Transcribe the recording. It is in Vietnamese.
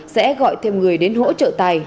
sẽ gọi thêm người đến hỗ trợ tài